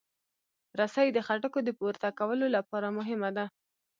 رسۍ د خټکو د پورته کولو لپاره مهمه ده.